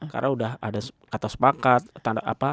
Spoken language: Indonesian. karena udah ada kata sepakat